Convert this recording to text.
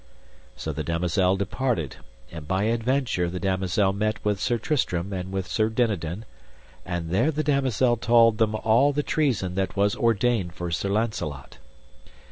So the damosel departed, and by adventure the damosel met with Sir Tristram and with Sir Dinadan, and there the damosel told them all the treason that was ordained for Sir Launcelot.